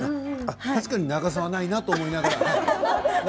確かに長さはないなと思いながら。